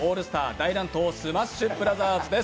大乱闘マッシュブラザーズ」です。